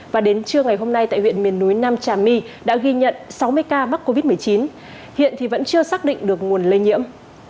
và đến trưa ngày hôm nay tại huyện miền núi nam trà my đã ghi nhận sáu mươi ca mắc covid một mươi chín hiện thì vẫn chưa xác định được nguồn lây nhiễm